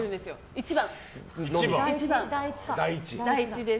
１番。